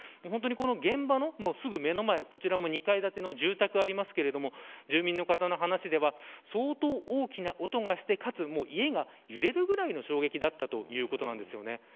現場のすぐ目の前２階建ての住宅がありますが住民の方の話では相当大きな音がしてかつ家が揺れるぐらいの衝撃だったということなんですよね。